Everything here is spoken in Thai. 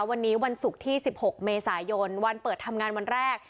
วันนี้วันศุกร์ที่๑๖เมษายนวันเปิดทำงานวันแรก